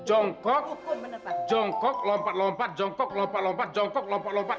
jongkok jongkok lompat lompat jongkok lompat lompat jongkok lompat lompat